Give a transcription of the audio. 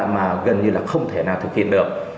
mà gần như là không thể nào thực hiện được